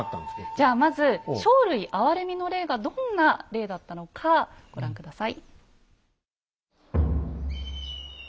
じゃあまず生類憐みの令がどんな令だったのかご覧下さい。